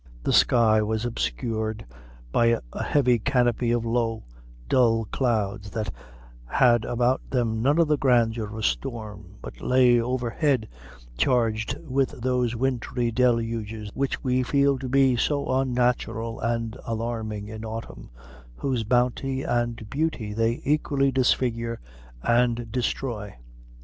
The sky was obscured by a heavy canopy of low, dull clouds that had about them none of the grandeur of storm, but lay overhead charged with those wintry deluges which we feel to be so unnatural and alarming in autumn, whose bounty and beauty they equally disfigure and destroy.